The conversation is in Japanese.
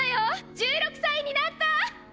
１６歳になった！